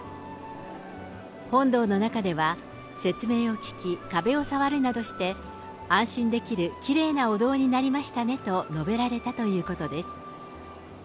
本堂の中では、説明を聞き、壁を触るなどして、安心できる、きれいなお堂になりましたねと述べられたということです。